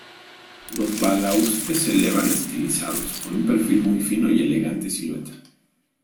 Los balaustres se elevan estilizados, con un perfil muy fino y elegante silueta.